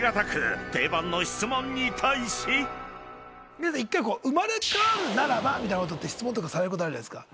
皆さん「生まれ変わるならば？」みたいなことって質問されることあるじゃないですか。